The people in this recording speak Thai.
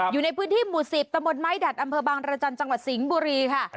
อยู่ในพื้นที่หมู่๑๐ตะบนไม้ดัดอำเภอบางรจันทร์จังหวัดสิงห์บุรีค่ะ